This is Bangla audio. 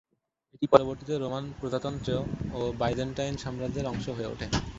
এটি পরবর্তীতে রোমান প্রজাতন্ত্র ও বাইজেন্টাইন সাম্রাজ্যের অংশ হয়ে ওঠে।